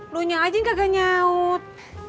lu nyaut aja gak gak nyaut